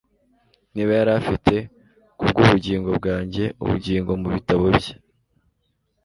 niba yari afite, kubwubugingo bwanjye, ubugingo mubitabo bye